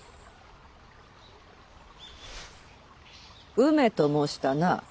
梅と申したな。